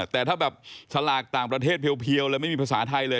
แต่ถ้าแบบสลากต่างประเทศเพียวเลยไม่มีภาษาไทยเลย